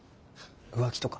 浮気とか。